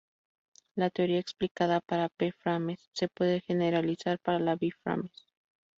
La teoría explicada para P-frames se puede generalizar para las B-frames.